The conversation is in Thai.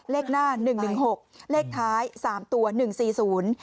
เลขหน้าหนึ่งหนึ่งหกเลขท้ายสามตัวหนึ่งสี่ศูนย์